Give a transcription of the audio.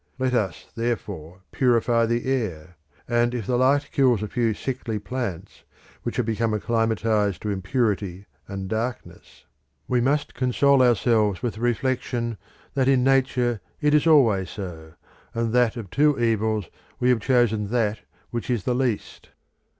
Let us therefore purify the air, and if the light kills a few sickly plants which have become acclimatised to impurity and darkness, we must console ourselves with the reflection that in Nature it is always so, and that of two evils we have chosen that which is the least.